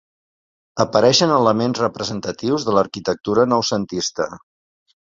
Apareixen elements representatius de l'arquitectura noucentista.